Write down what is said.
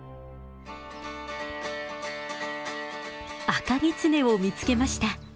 アカギツネを見つけました。